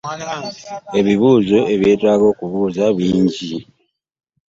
Ebibuuzo ebyetaaga okwebuuza bingi.